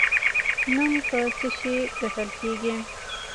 نوم په څه شي ګټل کیږي؟